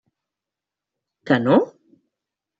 Que no?